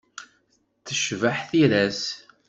Tecbeḥ tira-s.